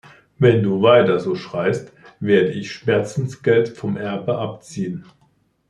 Wenn du weiter so schreist, werde ich Schmerzensgeld vom Erbe abziehen!